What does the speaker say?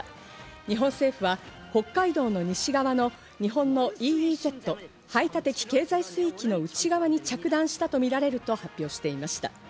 日本政府は北海道の西側の日本のＥＥＺ＝排他的経済水域の内側に着弾したとみられると発表していました。